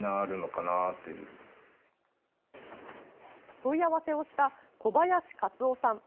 問い合わせをした小林勝男さん。